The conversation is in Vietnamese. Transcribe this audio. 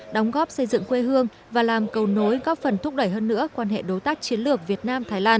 đóng góp xây dựng quê hương và làm cầu nối góp phần thúc đẩy hơn nữa quan hệ đối tác chiến lược việt nam thái lan